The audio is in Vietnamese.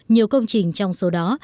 nhiều công trình trong số đó